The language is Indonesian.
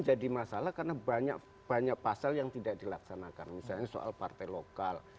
jadi masalah karena banyak banyak pasal yang tidak dilaksanakan misalnya soal partai lokal